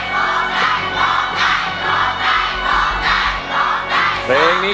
คุณยายแดงคะทำไมต้องซื้อลำโพงและเครื่องเสียง